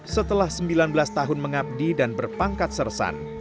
setelah sembilan belas tahun mengabdi dan berpangkat sersan